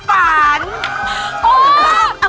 ลายอน